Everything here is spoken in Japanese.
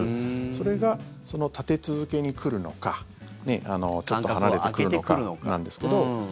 それが立て続けに来るのかちょっと離れて来るのかなんですけど。